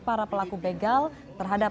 para pelaku begal terhadap